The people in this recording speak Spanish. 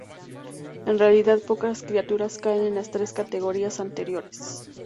En realidad, pocas criaturas caen en las tres categorías anteriores.